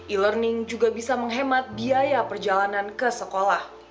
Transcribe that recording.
e learning juga bisa menghemat biaya perjalanan ke sekolah